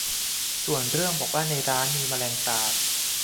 ส่วนเรื่องบอกว่าในร้านมีแมลงสาบ